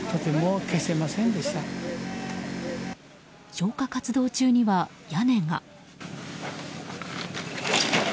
消火活動中には屋根が。